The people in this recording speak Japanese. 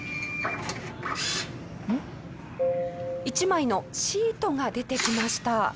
１枚のシートが出てきました。